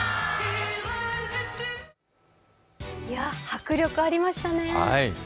迫力ありましたね。